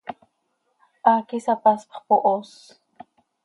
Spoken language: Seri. Haac isapaspx pohos.